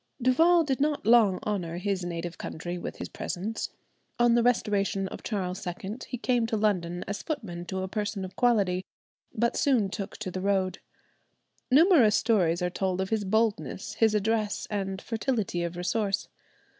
Duval did not long honour his native country with his presence. On the restoration of Charles II he came to London as footman to a person of quality, but soon took to the road. Numerous stories are told of his boldness, his address, and fertility of resource.